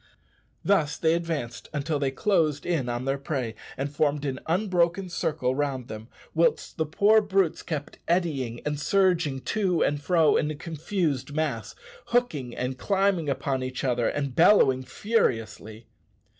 Thus they advanced until they closed in on their prey and formed an unbroken circle round them, whilst the poor brutes kept eddying and surging to and fro in a confused mass, hooking and climbing upon each other, and bellowing furiously.